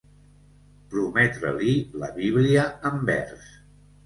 Prometre-li la Bíblia en vers.